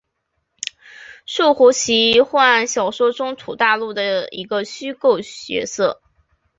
树胡奇幻小说中土大陆的一个虚构角色。